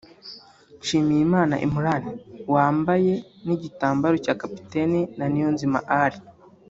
Nshimiyimana Imran wambaye n’igitambaro cya kapiteni na Niyonzima Ally